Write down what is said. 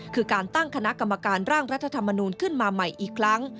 คือการตั้งคณะกรรมการร่างรัฐธรรมนูลขึ้นมาใหม่อีกครั้ง